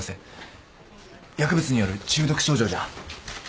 薬物による中毒症状じゃ。